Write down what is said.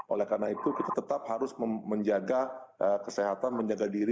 oleh karena itu kita tetap harus menjaga kesehatan menjaga diri